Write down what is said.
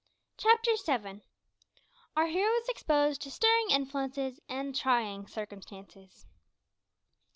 CHAPTER SEVEN. OUR HERO IS EXPOSED TO STIRRING INFLUENCES AND TRYING CIRCUMSTANCES.